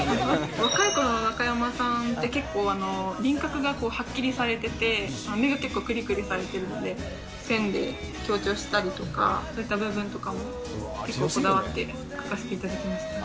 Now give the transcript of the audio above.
若いころの中山さんって結構、輪郭がはっきりされてて、目が結構くりくりされてるので、線で強調したりとか、そういった部分とかもこだわって描かせていただきました。